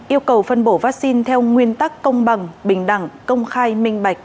yêu cầu phân bổ vaccine theo nguyên tắc công bằng bình đẳng công khai minh bạch